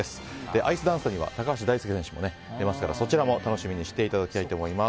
アイスダンスには高橋大輔選手も出ますからそちらも楽しみにしていただきたいと思います。